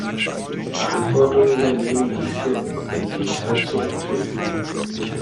Verantwortung übernehmen hieße in dem Fall zurücktreten.